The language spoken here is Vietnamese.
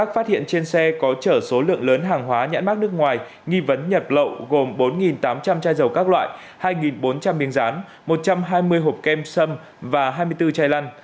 phát hiện trên xe có chở số lượng lớn hàng hóa nhãn mát nước ngoài nghi vấn nhập lậu gồm bốn tám trăm linh chai dầu các loại hai bốn trăm linh miếng rán một trăm hai mươi hộp kem sâm và hai mươi bốn chai lăn